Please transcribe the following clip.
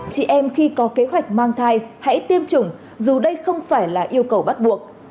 chị em khi có kế hoạch mang thai hãy tiêm chủng dù đây không phải là yêu cầu bắt buộc